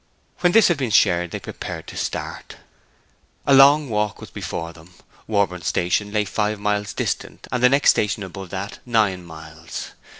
When this had been shared they prepared to start. A long walk was before them. Warborne station lay five miles distant, and the next station above that nine miles.